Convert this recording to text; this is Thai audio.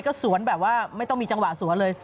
ก็สวนแบบว่าไม่ต้องมีจังหวะสวนเลย